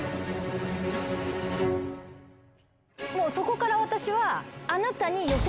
もうそこから私は。